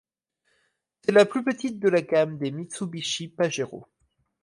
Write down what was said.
C'est la plus petite de la gamme des Mitsubishi Pajero.